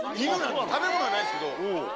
食べ物はないっすけど。